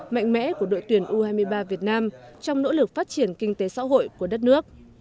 mạnh mẽ của đội tuyển u hai mươi ba việt nam trong nỗ lực phát triển kinh tế xã hội của đất nước